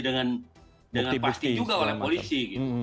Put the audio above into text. dengan pasti juga oleh polisi